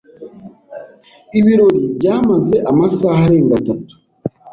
Ibirori byamaze amasaha arenga atatu.